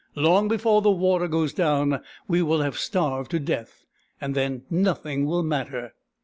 " Long before the water goes down we will have starved to death, and then nothing will matter."